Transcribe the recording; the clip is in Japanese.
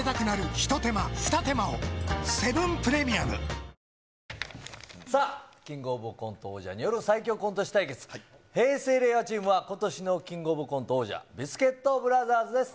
際どいネタ対決、生放送でやさあ、キングオブコント王者による最強コント師対決、平成・令和チームは、ことしのキングオブコント王者、ビスケットブラザーズです。